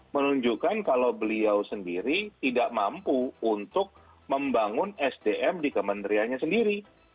menunjukkan kalau beliau sendiri tidak mampu untuk membangun sdm di kementeriannya sendiri